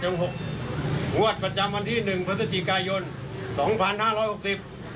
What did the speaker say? หกงวดประจำวันที่หนึ่งพฤศจิกายนสองพันห้าร้อยหกสิบ